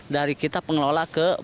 dari kita pengelola ke